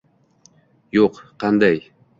- Yo'q, qanday?